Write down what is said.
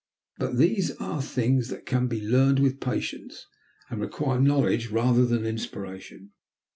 But these are things that can be learned with patience, and require knowledge rather than inspiration.